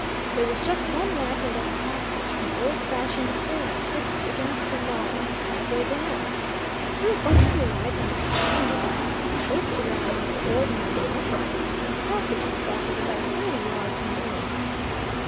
There was just one lamp in that passage an old fashioned affair, fixed against the wall, halfway down. It threw but little light on its surroundings. Those surroundings were ordinary enough. The passage itself was about thirty yards in length.